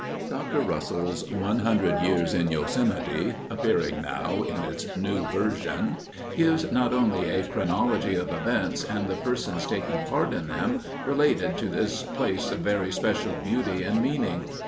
_ _Dr. Russell's One Hundred Years in Yosemite, appearing now in its new version, gives not only a chronology of events, and the persons taking part in them, related to this place of very special beauty and meaning.